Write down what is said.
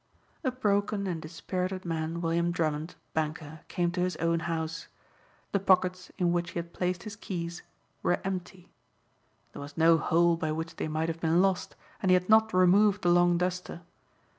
A broken and dispirited man William Drummond, banker, came to his own house. The pockets in which he had placed his keys were empty. There was no hole by which they might have been lost and he had not removed the long duster.